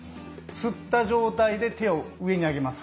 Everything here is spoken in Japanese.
吸った状態で手を上に上げます。